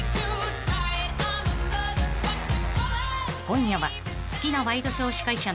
［今夜は好きなワイドショー司会者